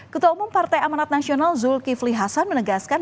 ketua umum partai amanat nasional zulkifli hasan menegaskan